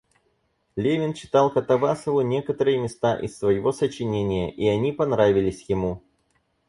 Левин читал Катавасову некоторые места из своего сочинения, и они понравились ему.